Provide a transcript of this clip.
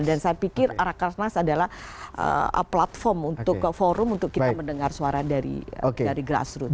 dan saya pikir rakernas adalah platform untuk forum untuk kita mendengar suara dari grassroot